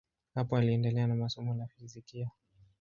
Hapo aliendelea na somo la fizikia.